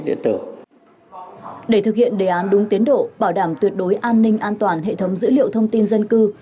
để thực hiện đề án đúng tiến độ bảo đảm tuyệt đối an ninh an toàn hệ thống dữ liệu thông tin dân cư